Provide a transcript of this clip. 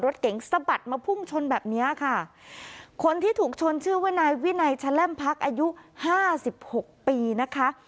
รถเก๋งสะบัดมาพุ่งชนแบบเนี้ยค่ะคนที่ถูกชนชื่อว่านายวินัยแชล่มพักอายุห้าสิบหกปีนะคะ